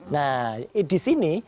nah di sini